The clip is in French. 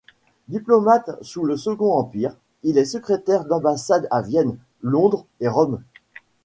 Diplomate sous le Second Empire, il est secrétaire d'ambassade à Vienne, Londres et Rome.